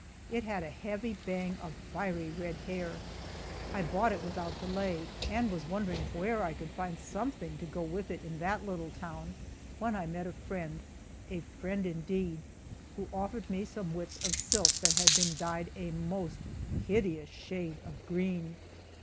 It had a heavy bang of fiery red hair. I bought it without delay, and was wondering where I could find something to go with it in that little town, when I met a friend a friend indeed who offered me some widths of silk that had been dyed a most hideous shade of green.